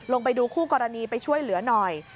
ลงไปดูคู่กรณีไปช่วยเหลือหน่อย